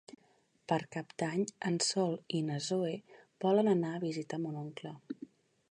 Per Cap d'Any en Sol i na Zoè volen anar a visitar mon oncle.